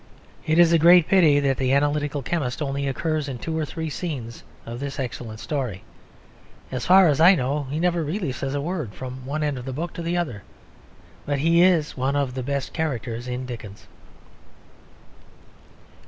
It is a great pity that the Analytical Chemist only occurs in two or three scenes of this excellent story. As far as I know, he never really says a word from one end of the book to the other; but he is one of the best characters in Dickens.